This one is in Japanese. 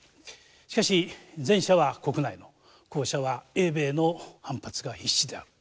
しかし前者は国内の後者は英米の反発が必至である。